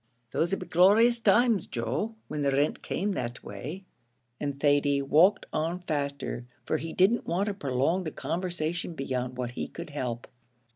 "Those 'd be glorious times, Joe, when the rint came that way," and Thady walked on faster, for he didn't want to prolong the conversation beyond what he could help.